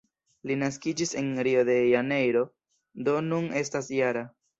Li naskiĝis en Rio de Janeiro, do nun estas -jara.